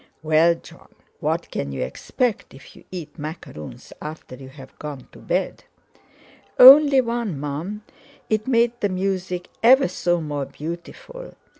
"Well, Jon, what can you expect if you eat macaroons after you've gone to bed?" "Only one, Mum; it made the music ever so more beautiful.